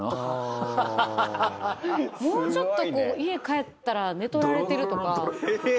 もうちょっと家帰ったら寝取られてるとか。